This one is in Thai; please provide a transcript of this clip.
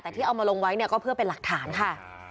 แต่ที่เอามาลงไว้เนี่ยก็เพื่อเป็นหลักฐานค่ะ